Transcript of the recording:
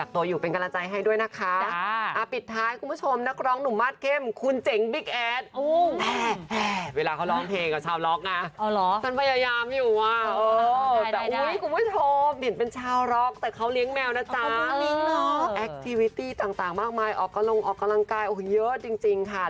ท่าน้องตาหญิงที่มากมายออกกำลังกายเยอะจริงค่ะ